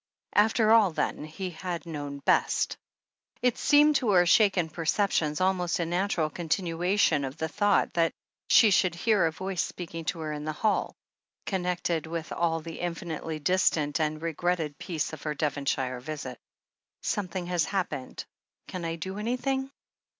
After all, then, he had known best 1 It seemed to her shaken perceptions almost a natural continuation of the thought that she should hear a voice speaking to her in the hall, connected with all the in 3o6 THE HEEL OF ACHILLES finitely distant and regretted peace of her Devonshire visit. "Something has happened — can I do anything?"